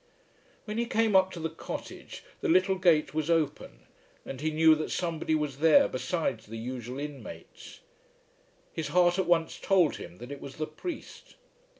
When he came up to the cottage the little gate was open, and he knew that somebody was there besides the usual inmates. His heart at once told him that it was the priest.